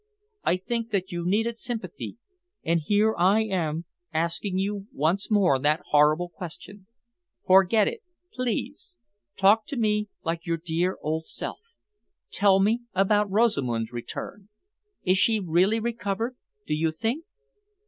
I think that you needed sympathy, and here I am asking you once more that horrible question. Forget it, please. Talk to me like your old dear self. Tell me about Rosamund's return. Is she really recovered, do you think?"